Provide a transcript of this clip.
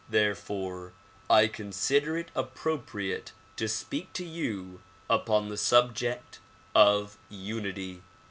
Therefore I consider it appropriate to speak to you upon the sub ject of "Unity."